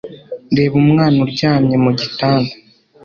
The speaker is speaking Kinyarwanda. Reba umwana uryamye mu gitanda.